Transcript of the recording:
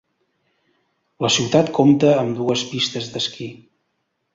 La ciutat compta amb dues pistes d'esquí.